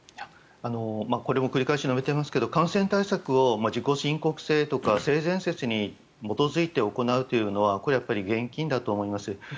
これも繰り返し述べていますけど感染対策を自己申告制とか性善説に基づいて行うのはこれは厳禁だと思います。